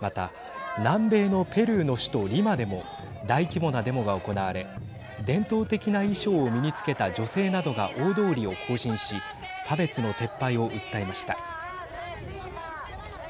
また、南米のペルーの首都リマでも大規模なデモが行われ伝統的な衣装を身につけた女性などが大通りを行進し差別の撤廃を訴えました。